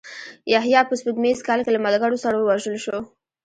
یحیی په سپوږمیز کال کې له ملګرو سره ووژل شو.